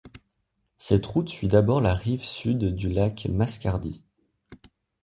Cette route suit d'abord la rive sud du lac Mascardi.